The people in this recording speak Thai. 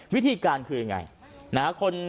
วิธีการคือยังไง